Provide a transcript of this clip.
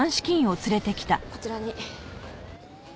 こちらに。